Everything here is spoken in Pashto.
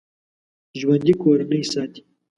ژوندي کورنۍ ساتي